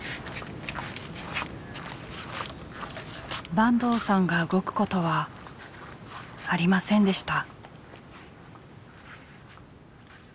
坂東さんが動くことはありませんでした。